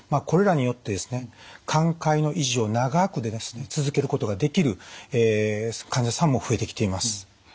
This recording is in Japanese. これらによってですね寛解の維持を長く続けることができる患者さんも増えてきています。